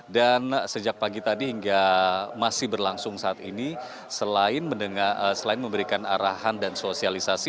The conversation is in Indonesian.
dan sejak pagi tadi hingga masih berlangsung saat ini